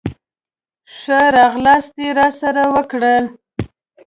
ښه راغلاست یې راسره وکړل.